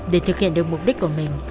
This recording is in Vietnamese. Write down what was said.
để thực hiện được mục đích của mình